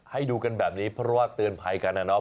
ให้ดูกันแบบนี้เพราะว่าเตือนภัยกันนะเนาะ